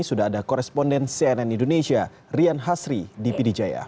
sudah ada koresponden cnn indonesia rian hasri di pidijaya